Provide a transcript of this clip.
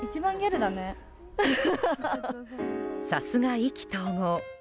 さすが、意気投合。